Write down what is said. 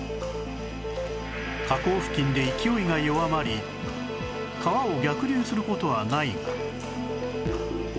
河口付近で勢いが弱まり川を逆流する事はないが